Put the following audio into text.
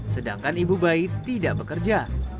sedangkan ibu bayi tidak bekerja